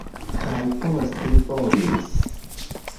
Kaj poste vomis.